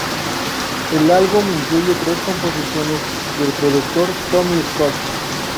El álbum incluye tres composiciones del productor Tommy Scott.